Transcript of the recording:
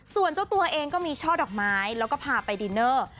ส่วนเจ้าตัวเองก็มีช่อดอกไม้แล้วก็พาไปดินเนอร์